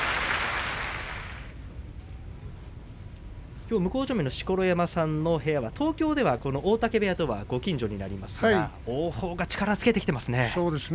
きょう向正面の錣山さんの部屋は東京ではこの大嶽部屋とはご近所になりますが王鵬が力をつけていますね。